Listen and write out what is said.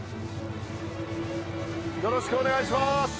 よろしくお願いします！